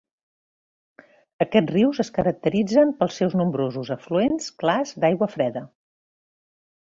Aquests rius es caracteritzen pels seus nombrosos afluents clars d'aigua freda.